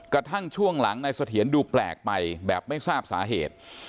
กระทั่งช่วงหลังนายเสถียรดูแปลกไปแบบไม่ทราบสาเหตุ